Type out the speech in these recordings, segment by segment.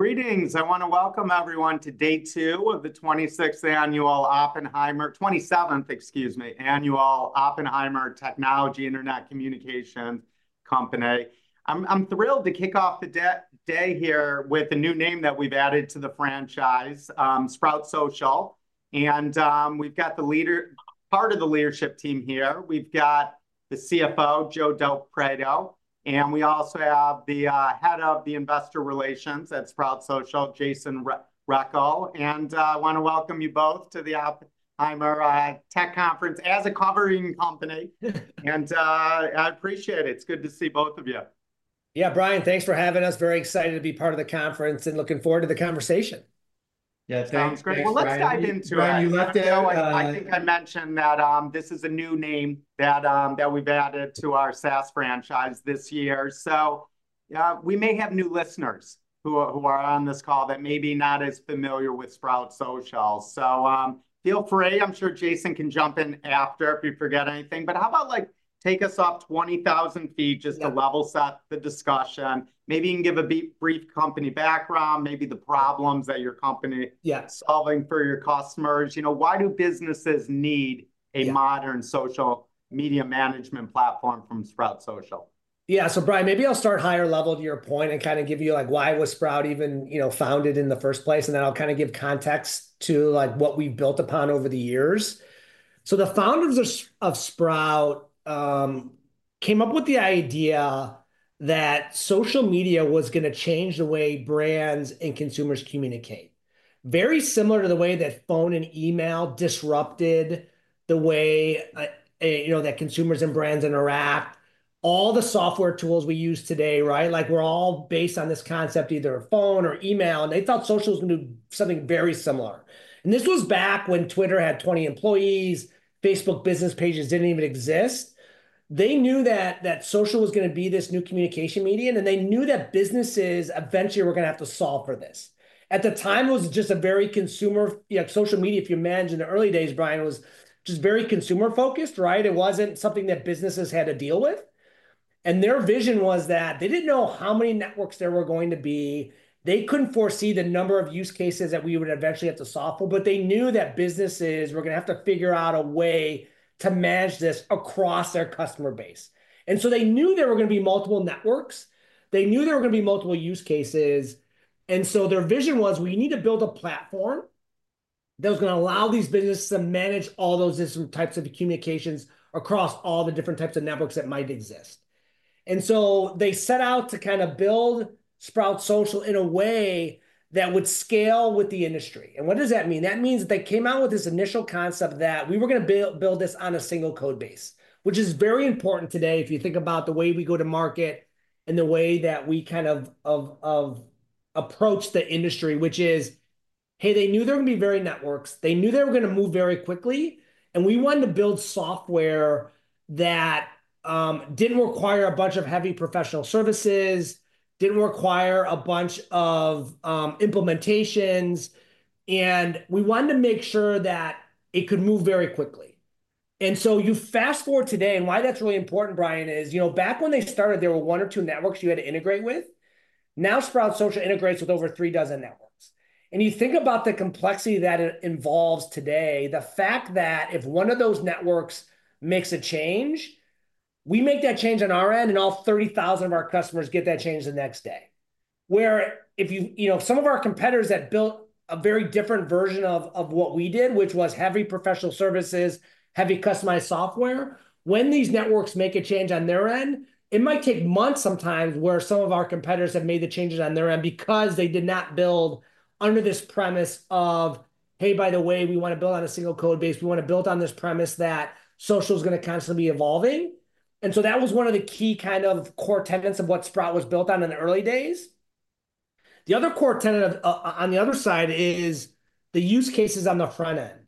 Greetings! I want to welcome everyone to day two of the 27th Annual Oppenheimer Technology Internet Communications Conference. I'm thrilled to kick off the day here with a new name that we've added to the franchise, Sprout Social. We've got part of the leadership team here. We've got the CFO, Joe Del Preto, and we also have the head of investor relations at Sprout Social, Jason Rechel. I wanna welcome you both to the Oppenheimer Tech Conference as a covering company. I appreciate it. It's good to see both of you. Yeah, Brian, thanks for having us. Very excited to be part of the conference, and looking forward to the conversation. Yeah, thanks. Sounds great. Thanks, Brian. Well, let's dive into it. Brian, you left it. I think I mentioned that this is a new name that we've added to our SaaS franchise this year. So, we may have new listeners who are on this call that may be not as familiar with Sprout Social. So, feel free. I'm sure Jason can jump in after if we forget anything, but how about, like, take us up 20,000 ft- Yeah... just to level set the discussion. Maybe you can give a brief company background, maybe the problems that your company- Yeah... solving for your customers. You know, why do businesses need- Yeah... a modern social media management platform from Sprout Social? Yeah, so Brian, maybe I'll start higher level to your point and kind of give you, like, why was Sprout even, you know, founded in the first place, and then I'll kind of give context to, like, what we've built upon over the years. So the founders of Sprout came up with the idea that social media was gonna change the way brands and consumers communicate. Very similar to the way that phone and email disrupted the way, you know, that consumers and brands interact, all the software tools we use today, right, like, were all based on this concept, either a phone or email, and they thought social was gonna do something very similar. And this was back when Twitter had 20 employees, Facebook business pages didn't even exist. They knew that social was gonna be this new communication medium, and they knew that businesses eventually were gonna have to solve for this. At the time, it was just a very consumer... You know, social media, if you imagine the early days, Brian, was just very consumer-focused, right? It wasn't something that businesses had to deal with. Their vision was that they didn't know how many networks there were going to be. They couldn't foresee the number of use cases that we would eventually have to solve for, but they knew that businesses were gonna have to figure out a way to manage this across their customer base. And so they knew there were gonna be multiple networks, they knew there were gonna be multiple use cases, and so their vision was, "We need to build a platform that was gonna allow these businesses to manage all those different types of communications across all the different types of networks that might exist." And so they set out to kind of build Sprout Social in a way that would scale with the industry. And what does that mean? That means they came out with this initial concept that we were gonna build this on a single code base, which is very important today if you think about the way we go to market and the way that we kind of approach the industry, which is, hey, they knew there were gonna be various networks, they knew they were gonna move very quickly, and we wanted to build software that didn't require a bunch of heavy professional services, didn't require a bunch of implementations, and we wanted to make sure that it could move very quickly. And so you fast-forward today, and why that's really important, Brian, is, you know, back when they started, there were one or two networks you had to integrate with. Now, Sprout Social integrates with over three dozen networks. You think about the complexity that it involves today, the fact that if one of those networks makes a change, we make that change on our end, and all 30,000 of our customers get that change the next day. Where if you... You know, some of our competitors that built a very different version of, of what we did, which was heavy professional services, heavy customized software, when these networks make a change on their end, it might take months sometimes, where some of our competitors have made the changes on their end because they did not build under this premise of, "Hey, by the way, we wanna build on a single code base. We wanna build on this premise that social is gonna constantly be evolving." And so that was one of the key kind of core tenets of what Sprout was built on in the early days. The other core tenet on the other side is the use cases on the front end.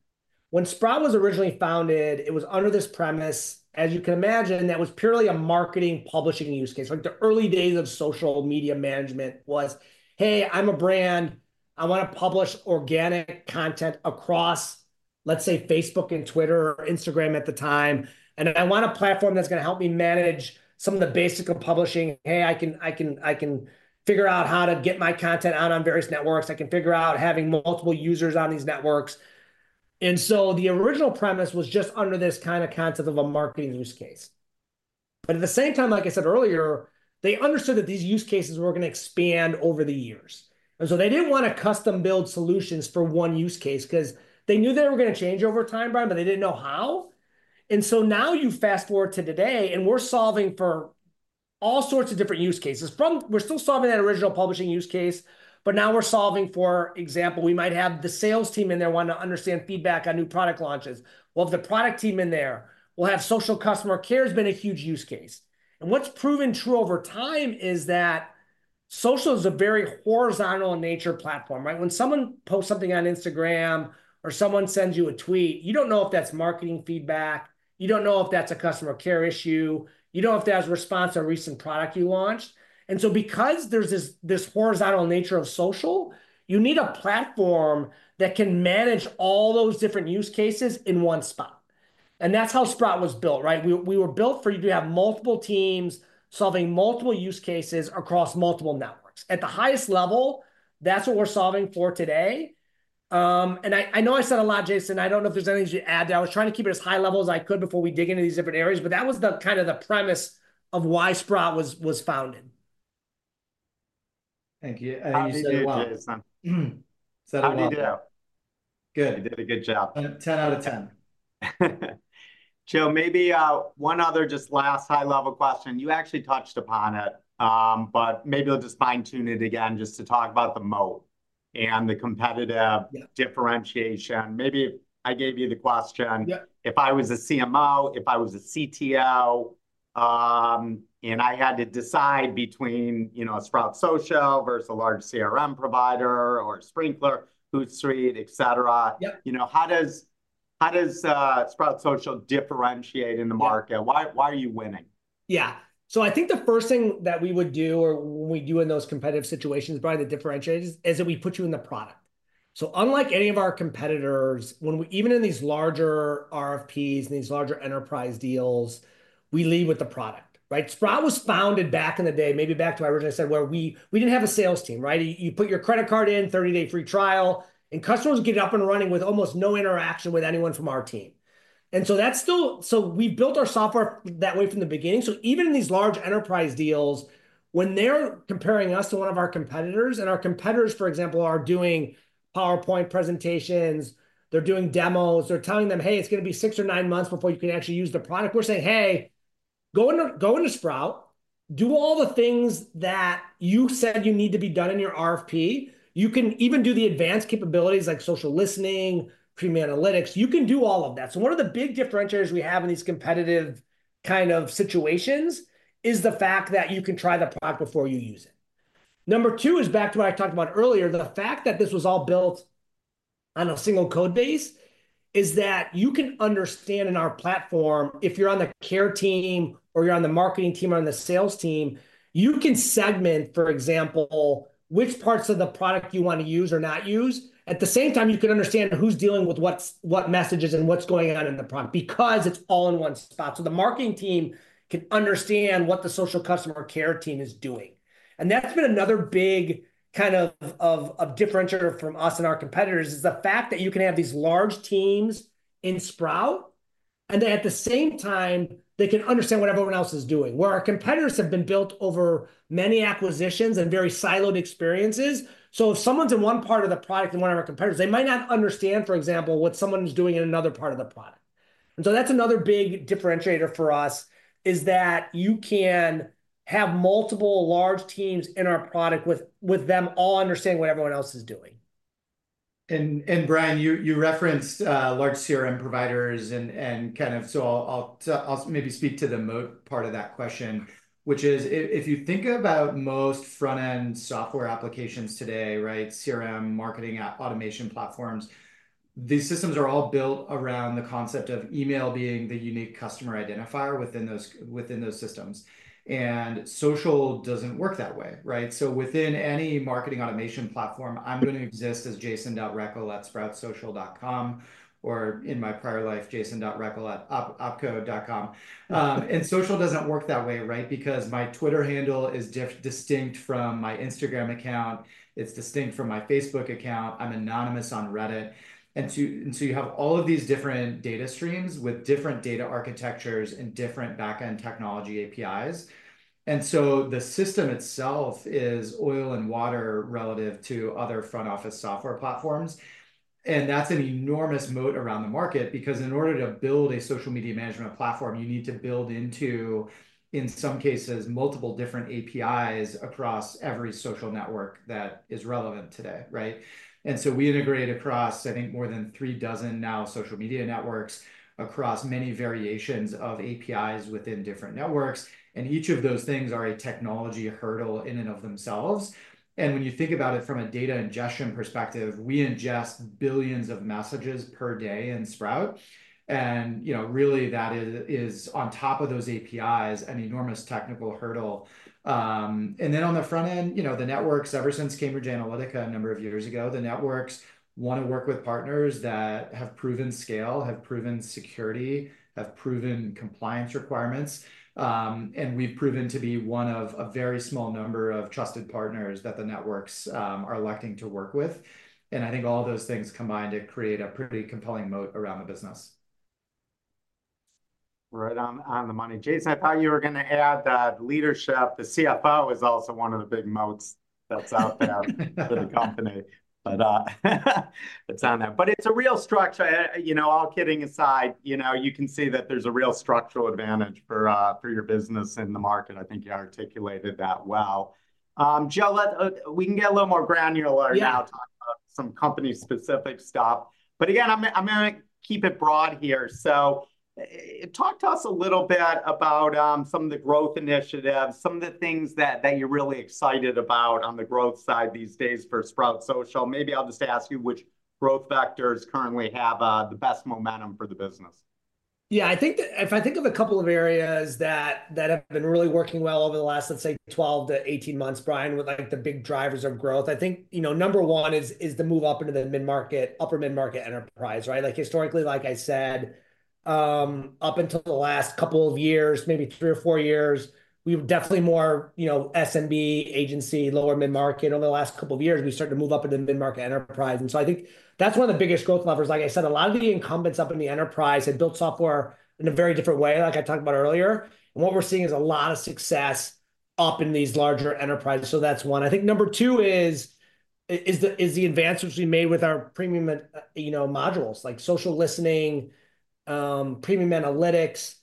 When Sprout was originally founded, it was under this premise, as you can imagine, that was purely a marketing, publishing use case. Like, the early days of social media management was, "Hey, I'm a brand. I wanna publish organic content across, let's say, Facebook and Twitter or Instagram at the time, and I want a platform that's gonna help me manage some of the basic of publishing. Hey, I can figure out how to get my content out on various networks. I can figure out having multiple users on these networks." And so the original premise was just under this kind of concept of a marketing use case. But at the same time, like I said earlier, they understood that these use cases were gonna expand over the years. And so they didn't wanna custom-build solutions for one use case, 'cause they knew they were gonna change over time, Brian, but they didn't know how. And so now you fast-forward to today, and we're solving for all sorts of different use cases. We're still solving that original publishing use case, but now we're solving, for example, we might have the sales team in there wanting to understand feedback on new product launches. We'll have the product team in there. We'll have social customer care has been a huge use case. And what's proven true over time is that social is a very horizontal in nature platform, right? When someone posts something on Instagram or someone sends you a tweet, you don't know if that's marketing feedback, you don't know if that's a customer care issue, you don't know if that's a response to a recent product you launched. And so because there's this, this horizontal nature of social, you need a platform that can manage all those different use cases in one spot... and that's how Sprout was built, right? We were built for you to have multiple teams solving multiple use cases across multiple networks. At the highest level, that's what we're solving for today. And I know I said a lot, Jason. I don't know if there's anything to add there. I was trying to keep it as high level as I could before we dig into these different areas, but that was the kind of the premise of why Sprout was founded. Thank you, and you said it well. How did you do, Jason? Said it well. How did I do? Good. You did a good job. 10 out of 10. Joe, maybe, one other just last high-level question. You actually touched upon it, but maybe I'll just fine-tune it again just to talk about the moat and the competitive- Yeah... differentiation. Maybe I gave you the question- Yeah... if I was a CMO, if I was a CTO, and I had to decide between, you know, a Sprout Social versus a large CRM provider or a Sprinklr, Hootsuite, et cetera- Yep... you know, how does Sprout Social differentiate in the market? Yeah. Why, why are you winning? Yeah. So I think the first thing that we would do, or we do in those competitive situations, probably that differentiates us, is that we put you in the product. So unlike any of our competitors, when we, even in these larger RFPs and these larger enterprise deals, we lead with the product, right? Sprout was founded back in the day, maybe back to what I originally said, where we, we didn't have a sales team, right? You, you put your credit card in, 30-day free trial, and customers get it up and running with almost no interaction with anyone from our team. And so that's still... So we've built our software that way from the beginning. So even in these large enterprise deals, when they're comparing us to one of our competitors, and our competitors, for example, are doing PowerPoint presentations, they're doing demos, they're telling them, "Hey, it's gonna be six or nine months before you can actually use the product," we're saying, "Hey, go in, go into Sprout. Do all the things that you said you need to be done in your RFP. You can even do the advanced capabilities like social listening, premium analytics, you can do all of that." So one of the big differentiators we have in these competitive kind of situations is the fact that you can try the product before you use it. Number two is back to what I talked about earlier, the fact that this was all built on a single code base, is that you can understand in our platform, if you're on the care team or you're on the marketing team or on the sales team, you can segment, for example, which parts of the product you want to use or not use. At the same time, you can understand who's dealing with what messages and what's going on in the product, because it's all in one spot. So the marketing team can understand what the social customer care team is doing. And that's been another big kind of differentiator from us and our competitors, is the fact that you can have these large teams in Sprout, and at the same time, they can understand what everyone else is doing. Where our competitors have been built over many acquisitions and very siloed experiences, so if someone's in one part of the product in one of our competitors, they might not understand, for example, what someone's doing in another part of the product. And so that's another big differentiator for us, is that you can have multiple large teams in our product with them all understanding what everyone else is doing. Brian, you referenced large CRM providers and kind of... So I'll maybe speak to the moat part of that question, which is, if you think about most front-end software applications today, right, CRM, marketing automation platforms, these systems are all built around the concept of email being the unique customer identifier within those systems. And social doesn't work that way, right? So within any marketing automation platform, I'm going to exist as jason.rechel@sproutsocial.com, or in my prior life, jason.rechel@opco.com. And social doesn't work that way, right? Because my Twitter handle is distinct from my Instagram account, it's distinct from my Facebook account, I'm anonymous on Reddit. And so you have all of these different data streams with different data architectures and different back-end technology APIs. The system itself is oil and water relative to other front-office software platforms. That's an enormous moat around the market, because in order to build a social media management platform, you need to build into, in some cases, multiple different APIs across every social network that is relevant today, right? We integrate across, I think, more than 36 now social media networks, across many variations of APIs within different networks, and each of those things are a technology hurdle in and of themselves. When you think about it from a data ingestion perspective, we ingest billions of messages per day in Sprout, and, you know, really, that is on top of those APIs, an enormous technical hurdle. And then on the front end, you know, the networks, ever since Cambridge Analytica a number of years ago, the networks want to work with partners that have proven scale, have proven security, have proven compliance requirements. And we've proven to be one of a very small number of trusted partners that the networks are electing to work with. And I think all of those things combine to create a pretty compelling moat around the business. Right on, on the money. Jason, I thought you were gonna add that leadership, the CFO, is also one of the big moats that's out there for the company. But it's on there. But it's a real structure. You know, all kidding aside, you know, you can see that there's a real structural advantage for your business in the market. I think you articulated that well. Joe, we can get a little more granular now- Yeah... talk about some company-specific stuff. But again, I'm gonna keep it broad here. So, talk to us a little bit about some of the growth initiatives, some of the things that, that you're really excited about on the growth side these days for Sprout Social. Maybe I'll just ask you which growth vectors currently have the best momentum for the business. Yeah, I think that, if I think of a couple of areas that have been really working well over the last, let's say, 12 to 18 months, Brian, with, like, the big drivers of growth, I think, you know, number one is the move up into the mid-market, upper-mid-market enterprise, right? Like, historically, like I said, up until the last couple of years, maybe three or four years, we've definitely more, you know, SMB, agency, lower mid-market. Over the last couple of years, we've started to move up into mid-market enterprise, and so I think that's one of the biggest growth levers. Like I said, a lot of the incumbents up in the enterprise had built software in a very different way, like I talked about earlier, and what we're seeing is a lot of success up in these larger enterprises, so that's one. I think number two is the advancements we made with our premium, you know, modules, like Social Listening, Premium Analytics,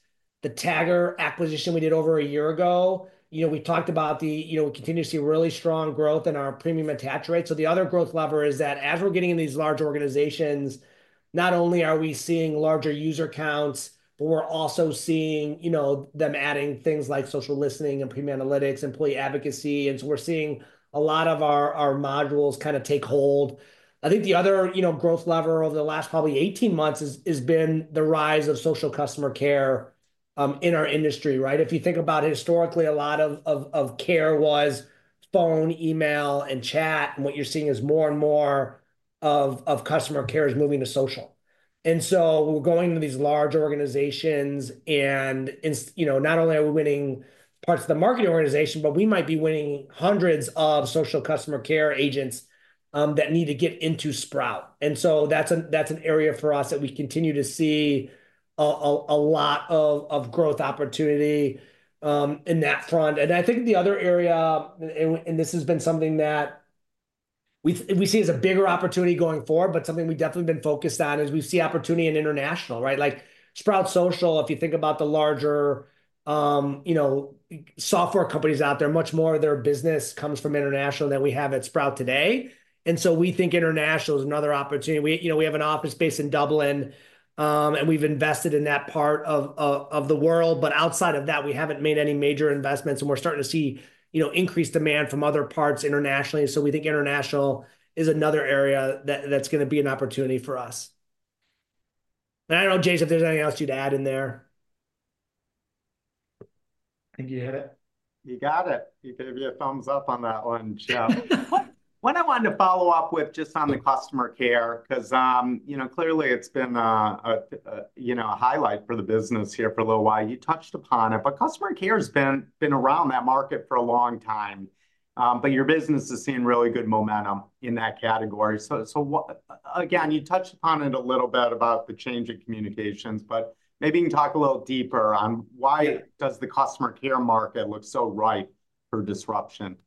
the Tagger acquisition we did over a year ago. You know, we talked about the, you know, we continue to see really strong growth in our premium attach rate. So the other growth lever is that as we're getting in these larger organizations, not only are we seeing larger user counts, but we're also seeing, you know, them adding things like Social Listening and Premium Analytics, Employee Advocacy, and so we're seeing a lot of our modules kind of take hold. I think the other, you know, growth lever over the last probably 18 months has been the rise of Social Customer Care in our industry, right? If you think about it, historically, a lot of care was phone, email, and chat, and what you're seeing is more and more of customer care is moving to social. And so we're going to these larger organizations, and, you know, not only are we winning parts of the marketing organization, but we might be winning hundreds of social customer care agents that need to get into Sprout. And so that's an area for us that we continue to see a lot of growth opportunity in that front. And I think the other area, and this has been something that we see as a bigger opportunity going forward, but something we've definitely been focused on, is we see opportunity in international, right? Like, Sprout Social, if you think about the larger, you know, software companies out there, much more of their business comes from international than we have at Sprout today, and so we think international is another opportunity. We, you know, we have an office space in Dublin, and we've invested in that part of the world, but outside of that, we haven't made any major investments, and we're starting to see, you know, increased demand from other parts internationally. So we think international is another area that, that's gonna be an opportunity for us. And I don't know, Jason, if there's anything else you'd add in there. I think you hit it. You got it. You can give you a thumbs up on that one, Joe. What I wanted to follow up with just on the customer care, 'cause, you know, clearly it's been, you know, a highlight for the business here for a little while. You touched upon it, but customer care has been around that market for a long time. But your business is seeing really good momentum in that category. Again, you touched upon it a little bit about the change in communications, but maybe you can talk a little deeper on why- Yeah... does the customer care market look so ripe for disruption?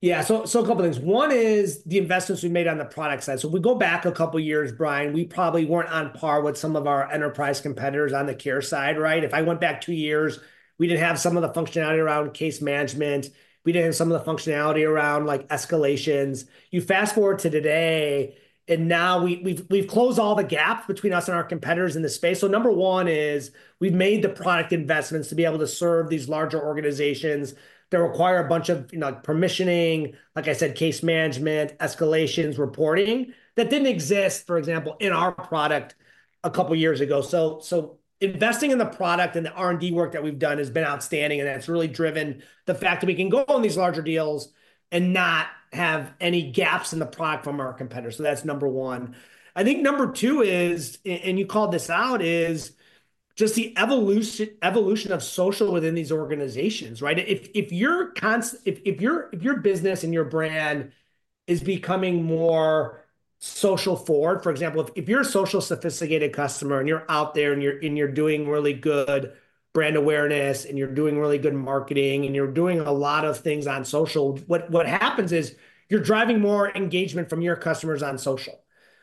Yeah. So, a couple things. One is the investments we made on the product side. So if we go back a couple of years, Brian, we probably weren't on par with some of our enterprise competitors on the care side, right? If I went back two years, we didn't have some of the functionality around case management, we didn't have some of the functionality around, like, escalations. You fast-forward to today, and now we've closed all the gaps between us and our competitors in this space. So number one is we've made the product investments to be able to serve these larger organizations that require a bunch of, you know, permissioning, like I said, case management, escalations, reporting, that didn't exist, for example, in our product a couple of years ago. So investing in the product and the R&D work that we've done has been outstanding, and that's really driven the fact that we can go on these larger deals and not have any gaps in the product from our competitors, so that's number one. I think number two is, and you called this out, is just the evolution of social within these organizations, right? If your business and your brand is becoming more social forward, for example, if you're a social-sophisticated customer and you're out there, and you're doing really good brand awareness, and you're doing really good marketing, and you're doing a lot of things on social, what happens is you're driving more engagement from your customers on social,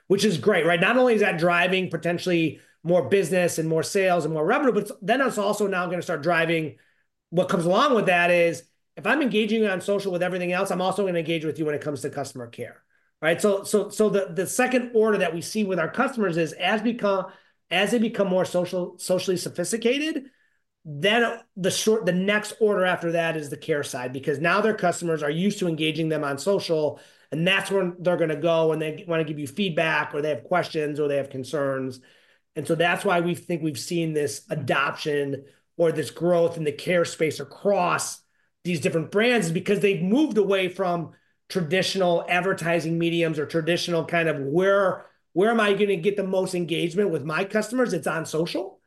which is great, right? Not only is that driving potentially more business and more sales and more revenue, but then it's also now gonna start driving... What comes along with that is, if I'm engaging on social with everything else, I'm also gonna engage with you when it comes to customer care, right? So, the second order that we see with our customers is as they become more social, socially sophisticated, then the next order after that is the care side. Because now their customers are used to engaging them on social, and that's where they're gonna go when they wanna give you feedback or they have questions or they have concerns. And so that's why we think we've seen this adoption or this growth in the care space across these different brands is because they've moved away from traditional advertising mediums or traditional kind of, "Where am I gonna get the most engagement with my customers?" It's on social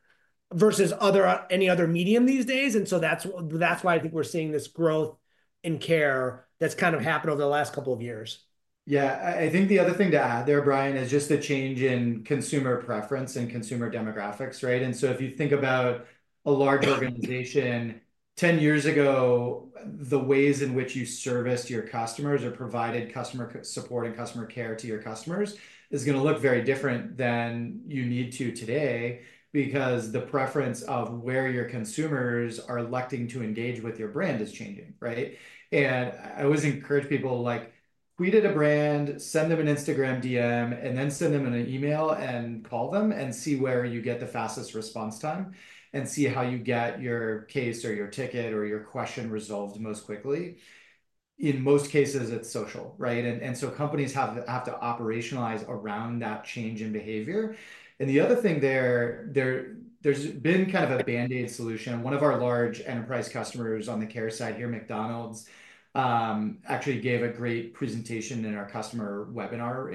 versus other, any other medium these days, and so that's why I think we're seeing this growth in care that's kind of happened over the last couple of years. Yeah. I think the other thing to add there, Brian, is just the change in consumer preference and consumer demographics, right? And so if you think about a large organization 10 years ago, the ways in which you serviced your customers or provided customer support and customer care to your customers is gonna look very different than you need to today, because the preference of where your consumers are electing to engage with your brand is changing, right? And I always encourage people to, like, tweet at a brand, send them an Instagram DM, and then send them an email and call them, and see where you get the fastest response time, and see how you get your case or your ticket or your question resolved most quickly. In most cases, it's social, right? And so companies have to operationalize around that change in behavior. The other thing there, there's been kind of a band-aid solution. One of our large enterprise customers on the care side here, McDonald's, actually gave a great presentation in our customer webinar,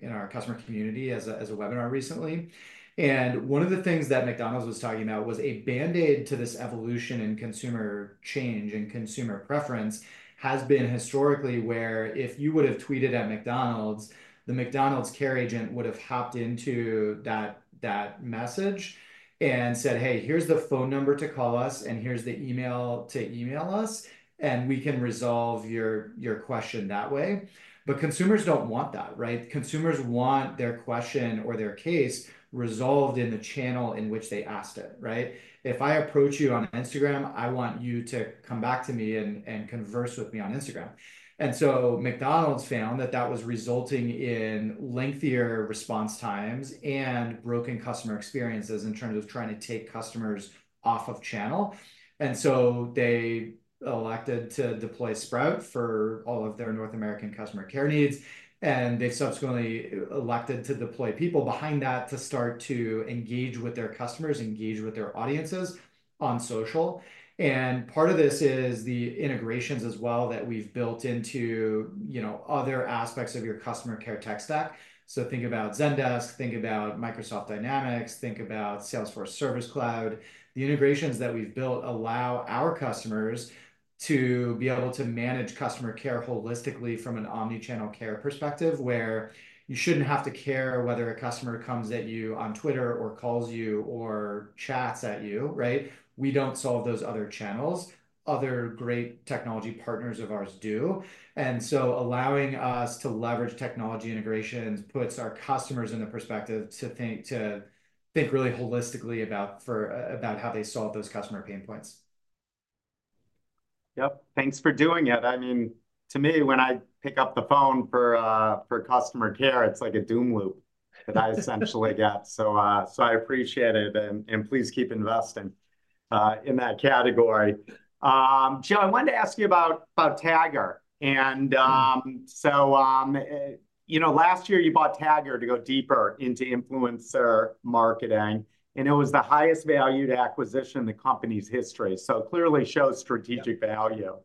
in our customer community as a webinar recently. One of the things that McDonald's was talking about was a band-aid to this evolution in consumer change and consumer preference has been historically where if you would've tweeted at McDonald's, the McDonald's care agent would've hopped into that message and said, "Hey, here's the phone number to call us, and here's the email to email us, and we can resolve your question that way." But consumers don't want that, right? Consumers want their question or their case resolved in the channel in which they asked it, right? If I approach you on Instagram, I want you to come back to me and converse with me on Instagram. And so McDonald's found that that was resulting in lengthier response times and broken customer experiences in terms of trying to take customers off of channel. And so they elected to deploy Sprout for all of their North American customer care needs, and they subsequently elected to deploy people behind that to start to engage with their customers, engage with their audiences on social. And part of this is the integrations as well that we've built into, you know, other aspects of your customer care tech stack. So think about Zendesk, think about Microsoft Dynamics, think about Salesforce Service Cloud. The integrations that we've built allow our customers to be able to manage customer care holistically from an omni-channel care perspective, where you shouldn't have to care whether a customer comes at you on Twitter, or calls you, or chats at you, right? We don't solve those other channels, other great technology partners of ours do. And so allowing us to leverage technology integrations puts our customers in the perspective to think, to think really holistically about for, about how they solve those customer pain points. Yep, thanks for doing it. I mean, to me, when I pick up the phone for customer care, it's like a doom loop that I essentially get. So, I appreciate it, and please keep investing in that category. Joe, I wanted to ask you about Tagger. And, so, you know, last year you bought Tagger to go deeper into influencer marketing, and it was the highest-valued acquisition in the company's history, so clearly shows strategic value.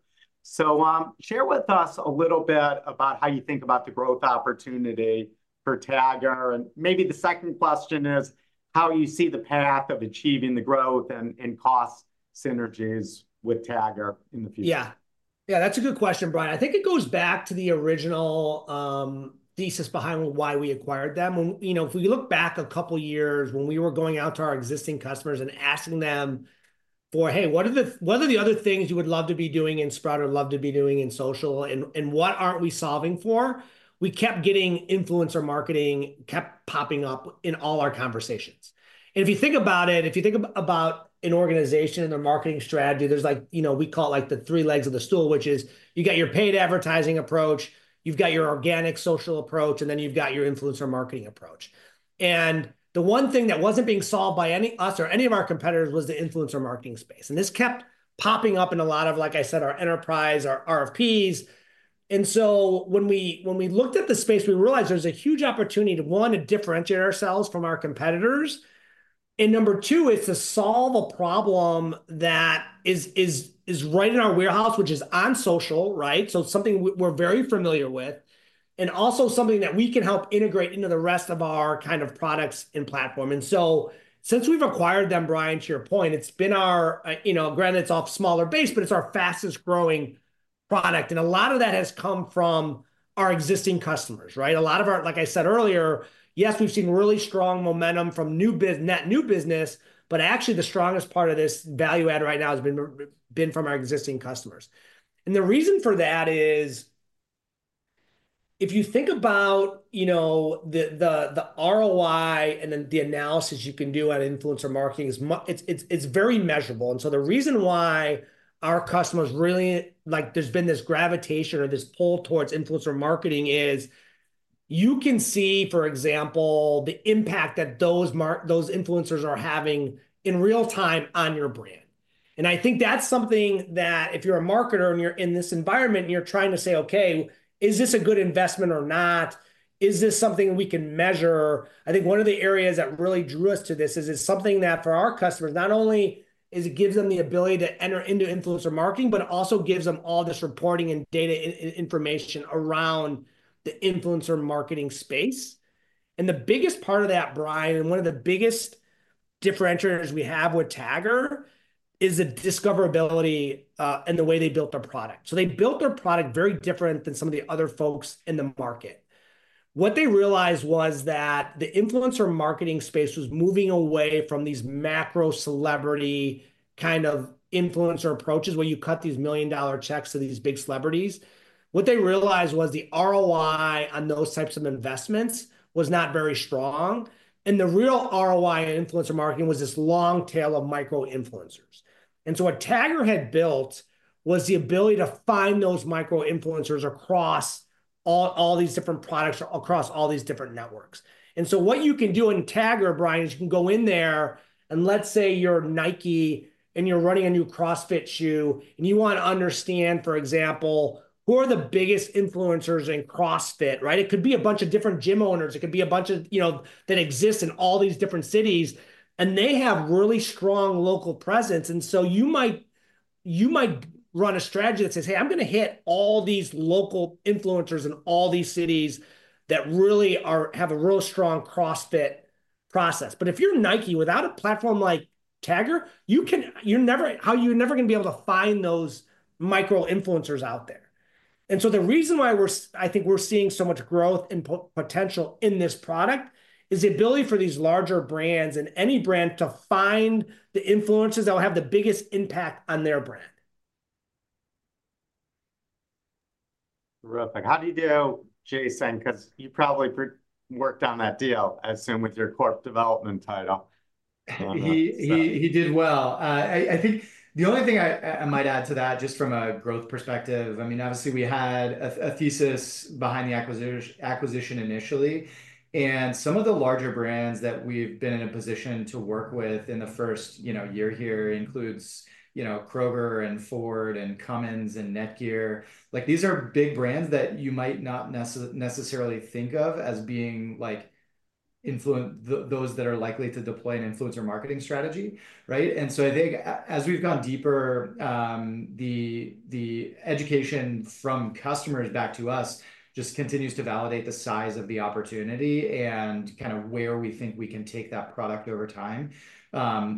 Yep. Share with us a little bit about how you think about the growth opportunity for Tagger. Maybe the second question is, how you see the path of achieving the growth and cost synergies with Tagger in the future? Yeah. Yeah, that's a good question, Brian. I think it goes back to the original thesis behind why we acquired them. When... You know, if we look back a couple of years when we were going out to our existing customers and asking them for, "Hey, what are the, what are the other things you would love to be doing in Sprout or love to be doing in social, and, and what aren't we solving for?" We kept getting influencer marketing, kept popping up in all our conversations. And if you think about it, if you think about an organization and their marketing strategy, there's like, you know, we call it, like, the three legs of the stool, which is you got your paid advertising approach, you've got your organic social approach, and then you've got your influencer marketing approach. The one thing that wasn't being solved by any, us or any of our competitors, was the influencer marketing space, and this kept popping up in a lot of, like I said, our enterprise, our RFPs. So when we looked at the space, we realized there's a huge opportunity to, one, to differentiate ourselves from our competitors, and number two is to solve a problem that is right in our wheelhouse, which is on social, right? So something we're very familiar with, and also something that we can help integrate into the rest of our kind of products and platform. And so since we've acquired them, Brian, to your point, it's been our, you know, granted it's off smaller base, but it's our fastest-growing product, and a lot of that has come from our existing customers, right? A lot of our... Like I said earlier, yes, we've seen really strong momentum from net new business, but actually, the strongest part of this value add right now has been from our existing customers. And the reason for that is, if you think about, you know, the ROI, and then the analysis you can do on influencer marketing is it's very measurable. And so the reason why our customers really, like, there's been this gravitation or this pull towards influencer marketing is you can see, for example, the impact that those influencers are having in real time on your brand. And I think that's something that if you're a marketer and you're in this environment, and you're trying to say, "Okay, is this a good investment or not? Is this something we can measure?" I think one of the areas that really drew us to this is it's something that, for our customers, not only is it gives them the ability to enter into influencer marketing, but it also gives them all this reporting and data and information around the influencer marketing space. And the biggest part of that, Brian, and one of the biggest differentiators we have with Tagger is the discoverability, and the way they built their product. So they built their product very different than some of the other folks in the market. What they realized was that the influencer marketing space was moving away from these macro-celebrity kind of influencer approaches, where you cut these million-dollar checks to these big celebrities. What they realized was the ROI on those types of investments was not very strong, and the real ROI in influencer marketing was this long tail of micro-influencers. And so what Tagger had built was the ability to find those micro-influencers across all these different products across all these different networks. And so what you can do in Tagger, Brian, is you can go in there, and let's say you're Nike, and you're running a new CrossFit shoe, and you wanna understand, for example, who are the biggest influencers in CrossFit, right? It could be a bunch of different gym owners, it could be a bunch of, you know, that exist in all these different cities, and they have really strong local presence. And so you might run a strategy that says, "Hey, I'm gonna hit all these local influencers in all these cities that really have a real strong CrossFit presence." But if you're Nike, without a platform like Tagger, you're never gonna be able to find those micro-influencers out there. And so the reason why we're seeing so much growth and potential in this product is the ability for these larger brands and any brand to find the influencers that will have the biggest impact on their brand. Terrific. How'd he do, Jason? 'Cause you probably preworked on that deal, I assume, with your corp development title, so He did well. I think the only thing I might add to that, just from a growth perspective, I mean, obviously we had a thesis behind the acquisition initially, and some of the larger brands that we've been in a position to work with in the first, you know, year here includes, you know, Kroger and Ford and Cummins and NETGEAR. Like, these are big brands that you might not necessarily think of as being, like, influencer... Those that are likely to deploy an influencer marketing strategy, right? And so I think as we've gone deeper, the education from customers back to us just continues to validate the size of the opportunity and kind of where we think we can take that product over time.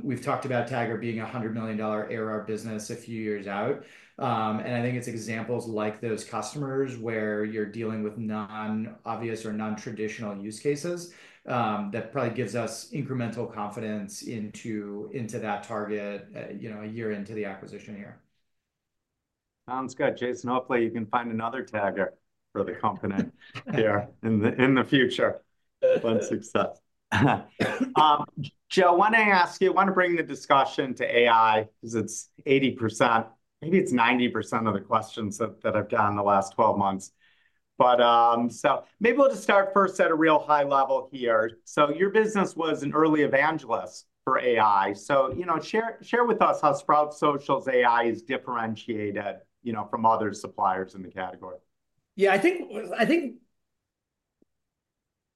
We've talked about Tagger being a $100 million ARR business a few years out. I think it's examples like those customers, where you're dealing with non-obvious or non-traditional use cases, that probably gives us incremental confidence into, into that target, you know, a year into the acquisition year. Sounds good, Jason. Hopefully, you can find another Tagger for the company here in the, in the future. But success. Joe, wanna ask you, wanna bring the discussion to AI, 'cause it's 80%, maybe it's 90% of the questions that, that I've gotten in the last 12 months. But, so maybe we'll just start first at a real high level here. So your business was an early evangelist for AI, so, you know, share, share with us how Sprout Social's AI is differentiated, you know, from other suppliers in the category. Yeah, I think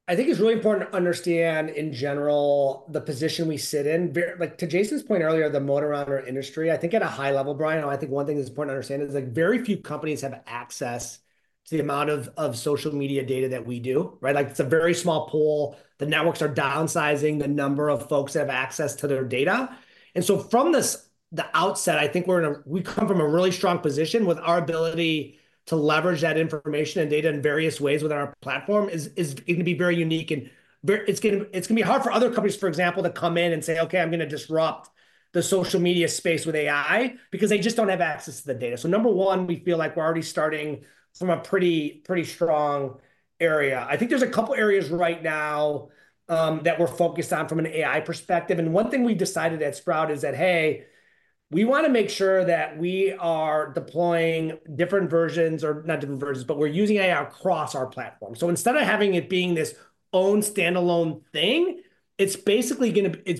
it's really important to understand, in general, the position we sit in. Very, like, to Jason's point earlier, the motor around our industry, I think at a high level, Brian, one thing that's important to understand is, like, very few companies have access to the amount of social media data that we do, right? Like, it's a very small pool. The networks are downsizing the number of folks that have access to their data. And so from the outset, I think we come from a really strong position with our ability to leverage that information and data in various ways with our platform is gonna be very unique, and it's gonna be hard for other companies, for example, to come in and say, "Okay, I'm gonna disrupt the social media space with AI," because they just don't have access to the data. So number one, we feel like we're already starting from a pretty, pretty strong area. I think there's a couple areas right now that we're focused on from an AI perspective, and one thing we decided at Sprout is that, hey, we wanna make sure that we are deploying different versions, or not different versions, but we're using AI across our platform. So instead of having it being this own standalone thing, it's basically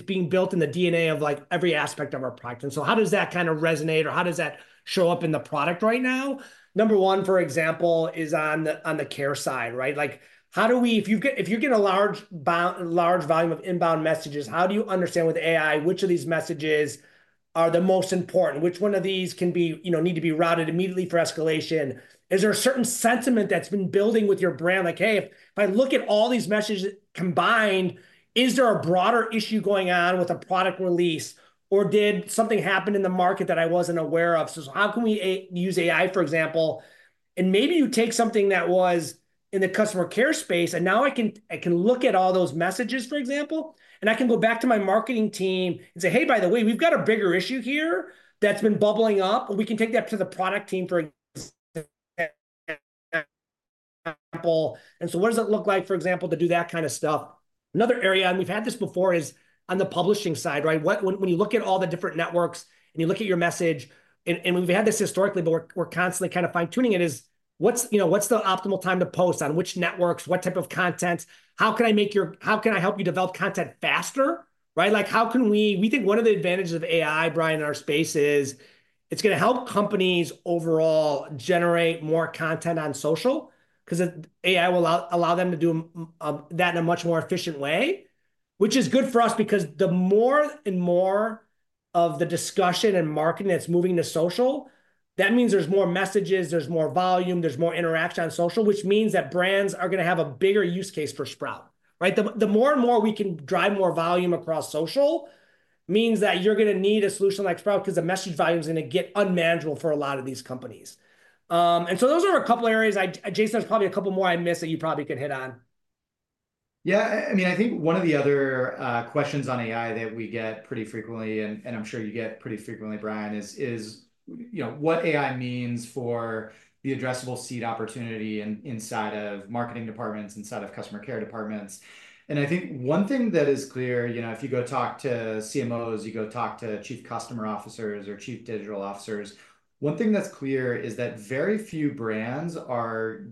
being built in the DNA of, like, every aspect of our product. So how does that kind of resonate, or how does that show up in the product right now? Number one, for example, is on the care side, right? Like, how do we... If you're getting a large volume of inbound messages, how do you understand with AI which of these messages are the most important? Which one of these can be, you know, need to be routed immediately for escalation? Is there a certain sentiment that's been building with your brand, like, hey, if I look at all these messages combined, is there a broader issue going on with a product release, or did something happen in the market that I wasn't aware of? So, how can we use AI, for example? And maybe you take something that was in the customer care space, and now I can look at all those messages, for example, and I can go back to my marketing team and say, "Hey, by the way, we've got a bigger issue here that's been bubbling up, and we can take that to the product team, for example." And so what does it look like, for example, to do that kind of stuff? Another area, and we've had this before, is on the publishing side, right? When you look at all the different networks and you look at your message, and we've had this historically, but we're constantly kind of fine-tuning it, is what's, you know, what's the optimal time to post, on which networks, what type of content? How can I help you develop content faster, right? Like, how can we... We think one of the advantages of AI, Brian, in our space is it's gonna help companies overall generate more content on social, 'cause AI will allow them to do that in a much more efficient way, which is good for us, because the more and more of the discussion and marketing that's moving to social, that means there's more messages, there's more volume, there's more interaction on social, which means that brands are gonna have a bigger use case for Sprout, right? The more and more we can drive more volume across social, means that you're gonna need a solution like Sprout, 'cause the message volume's gonna get unmanageable for a lot of these companies. And so those are a couple of areas, Jason. There's probably a couple more I missed that you probably could hit on. Yeah, I mean, I think one of the other questions on AI that we get pretty frequently, and I'm sure you get pretty frequently, Brian, is, you know, what AI means for the addressable seat opportunity inside of marketing departments, inside of customer care departments. And I think one thing that is clear, you know, if you go talk to CMOs, you go talk to chief customer officers or chief digital officers, one thing that's clear is that very few brands are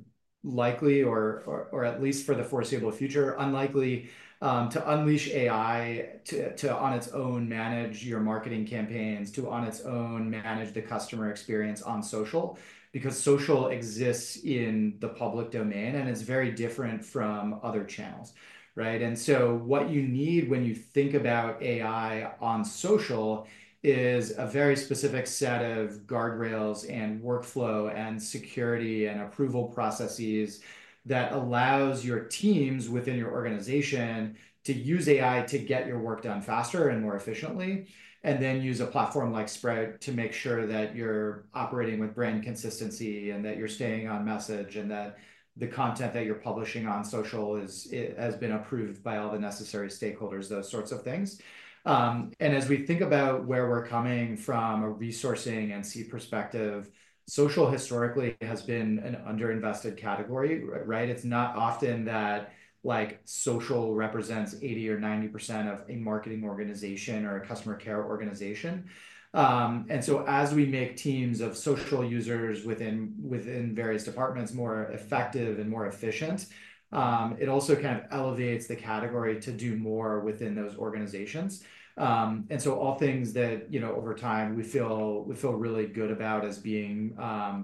likely or at least for the foreseeable future, unlikely, to unleash AI to on its own, manage your marketing campaigns, to on its own, manage the customer experience on social. Because social exists in the public domain, and it's very different from other channels, right? And so what you need when you think about AI on social is a very specific set of guardrails and workflow and security and approval processes that allows your teams within your organization to use AI to get your work done faster and more efficiently, and then use a platform like Sprout to make sure that you're operating with brand consistency and that you're staying on message, and that the content that you're publishing on social is, has been approved by all the necessary stakeholders, those sorts of things. As we think about where we're coming from, a resourcing and seat perspective, social historically has been an under-invested category, right? It's not often that, like, social represents 80% or 90% of a marketing organization or a customer care organization. And so as we make teams of social users within various departments more effective and more efficient, it also kind of elevates the category to do more within those organizations. And so all things that, you know, over time, we feel really good about as being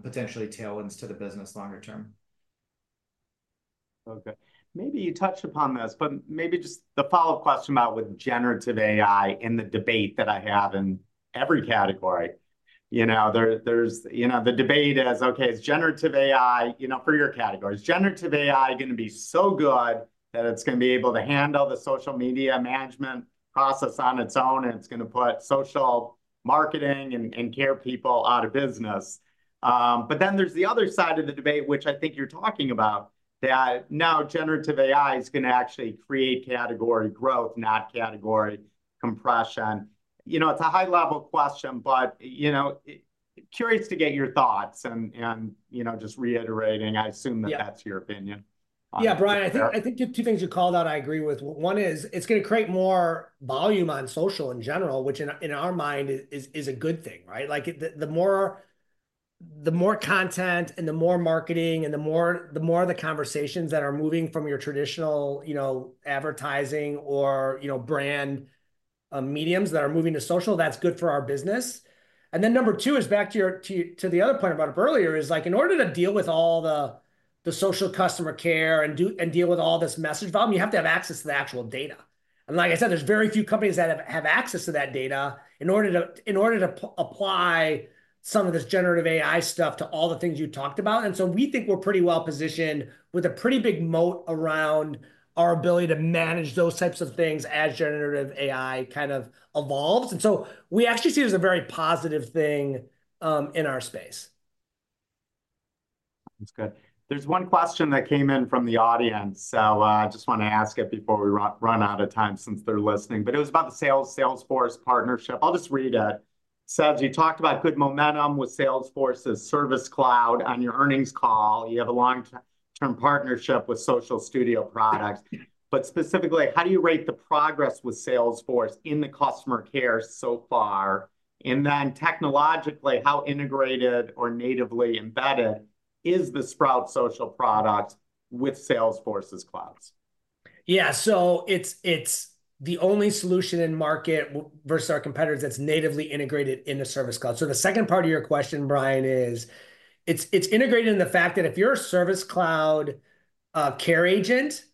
potentially tailwinds to the business longer term. Okay. Maybe you touched upon this, but maybe just the follow-up question about with generative AI and the debate that I have in every category. You know, there's, you know, the debate as, okay, is generative AI... You know, for your category, is generative AI gonna be so good that it's gonna be able to handle the social media management process on its own, and it's gonna put social marketing and care people out of business? But then there's the other side of the debate, which I think you're talking about, that now generative AI is gonna actually create category growth, not category compression. You know, it's a high-level question, but, you know, I'm curious to get your thoughts, and, and, you know, just reiterating, I assume- Yeah... that's your opinion on- Yeah, Brian, I think, I think the two things you called out I agree with. One is, it's gonna create more volume on social in general, which in our mind is a good thing, right? Like, the more content and the more marketing and the more the conversations that are moving from your traditional, you know, advertising or, you know, brand mediums that are moving to social, that's good for our business. And then number two is back to the other point I brought up earlier, is, like, in order to deal with all the Social Customer Care and deal with all this message volume, you have to have access to the actual data. And like I said, there's very few companies that have access to that data in order to apply some of this generative AI stuff to all the things you talked about. And so we think we're pretty well-positioned with a pretty big moat around our ability to manage those types of things as generative AI kind of evolves. And so we actually see it as a very positive thing in our space. That's good. There's one question that came in from the audience, so I just wanna ask it before we run out of time since they're listening, but it was about the Salesforce partnership. I'll just read it. "So you talked about good momentum with Salesforce's Service Cloud on your earnings call. You have a long-term partnership with Social Studio products. But specifically, how do you rate the progress with Salesforce in the customer care so far? And then technologically, how integrated or natively embedded is the Sprout Social product with Salesforce's clouds? Yeah, so it's the only solution in the market versus our competitors that's natively integrated into Service Cloud. So the second part of your question, Brian, is it's integrated in the fact that if you're a Service Cloud care agent,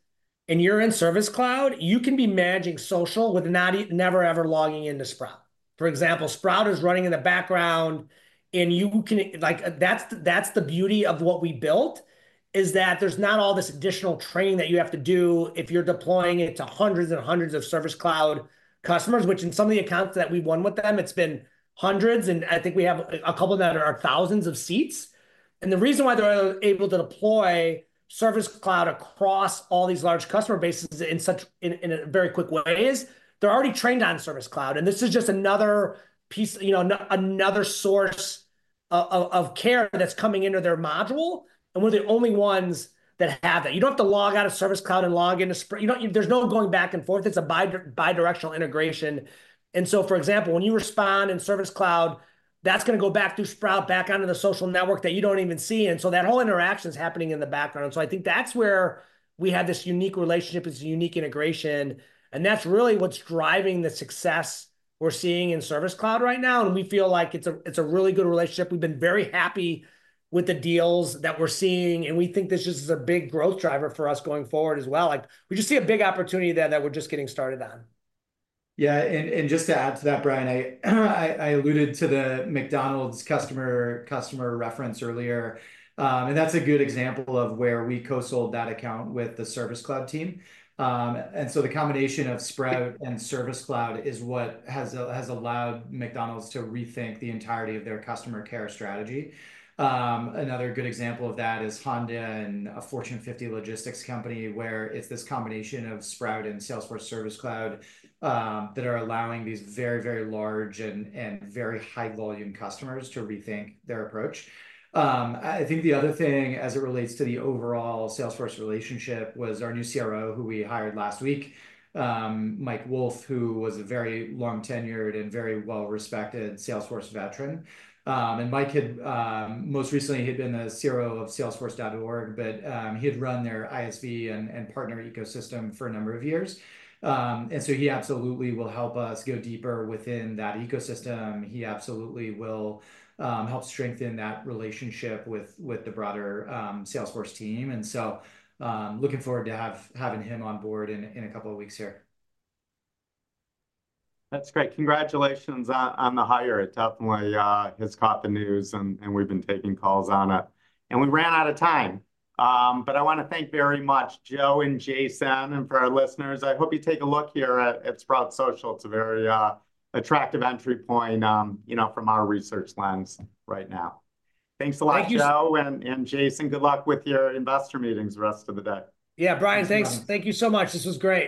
and you're in Service Cloud, you can be managing social without ever, never ever logging into Sprout. For example, Sprout is running in the background, and you can. Like, that's the beauty of what we built, is that there's not all this additional training that you have to do if you're deploying it to hundreds and hundreds of Service Cloud customers, which in some of the accounts that we've won with them, it's been hundreds, and I think we have a couple that are thousands of seats. And the reason why they're able to deploy Service Cloud across all these large customer bases in such a very quick way is they're already trained on Service Cloud, and this is just another piece, you know, another source of care that's coming into their module, and we're the only ones that have that. You don't have to log out of Service Cloud and log into Sprout—you don't. There's no going back and forth. It's a bidirectional integration. And so, for example, when you respond in Service Cloud, that's gonna go back through Sprout, back onto the social network that you don't even see. And so that whole interaction's happening in the background. So I think that's where we have this unique relationship, this unique integration, and that's really what's driving the success we're seeing in Service Cloud right now, and we feel like it's a, it's a really good relationship. We've been very happy with the deals that we're seeing, and we think this just is a big growth driver for us going forward as well. Like, we just see a big opportunity there that we're just getting started on. Yeah, and just to add to that, Brian, I alluded to the McDonald's customer reference earlier. And that's a good example of where we co-sold that account with the Service Cloud team. And so the combination of Sprout and Service Cloud is what has allowed McDonald's to rethink the entirety of their customer care strategy. Another good example of that is Honda and a Fortune 50 logistics company, where it's this combination of Sprout and Salesforce Service Cloud that are allowing these very large and very high-volume customers to rethink their approach. I think the other thing, as it relates to the overall Salesforce relationship, was our new CRO, who we hired last week, Mike Wolfe, who was a very long-tenured and very well-respected Salesforce veteran. And Mike had... Most recently, he'd been the CRO of salesforce.org, but he had run their ISV and partner ecosystem for a number of years. And so he absolutely will help us go deeper within that ecosystem. He absolutely will help strengthen that relationship with the broader Salesforce team. And so, looking forward to having him on board in a couple of weeks here. That's great. Congratulations on the hire. It definitely has caught the news, and we've been taking calls on it. We ran out of time. But I want to thank very much Joe and Jason, and for our listeners, I hope you take a look here at Sprout Social. It's a very attractive entry point, you know, from our research lens right now. Thanks a lot- Thank you-... Joe and Jason. Good luck with your investor meetings the rest of the day. Yeah, Brian, thanks. Thank you so much. This was great.